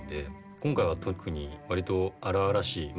今回は特に割と荒々しいま